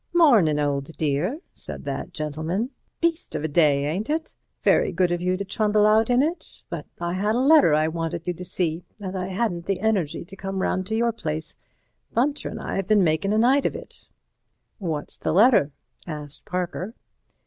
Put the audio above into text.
"Mornin', old dear," said that gentleman; "beast of a day, ain't it? Very good of you to trundle out in it, but I had a letter I wanted you to see, and I hadn't the energy to come round to your place. Bunter and I've been makin' a night of it." "What's the letter?" asked Parker.